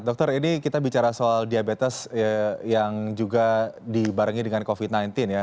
dokter ini kita bicara soal diabetes yang juga dibarengi dengan covid sembilan belas ya